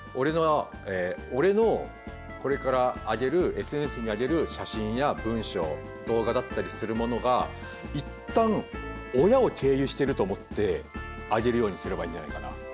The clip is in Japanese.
俺のこれからＳＮＳに上げる写真や文章動画だったりするものが一旦親を経由してると思って上げるようにすればいいんじゃないかな。